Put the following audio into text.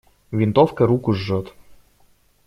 Винтовка руку жжет.